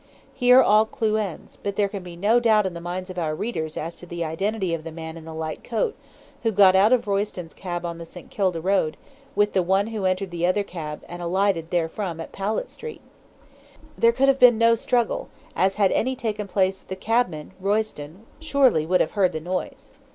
Here all clue ends, but there can be no doubt in the minds of our readers as to the identity of the man in the light coat who got out of Royston's cab on the St. Kilda Road, with the one who entered the other cab and alighted therefrom at Powlett Street. There could have been no struggle, as had any taken place the cabman, Royston, surely would have heard the noise.